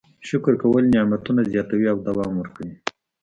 شکر کول نعمتونه زیاتوي او دوام ورکوي.